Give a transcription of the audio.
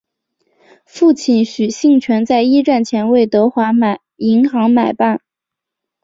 父亲许杏泉在一战前为德华银行买办。